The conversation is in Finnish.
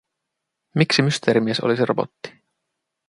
Miksi Mysteerimies olisi robotti?